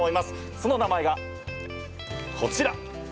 その名前が、こちら。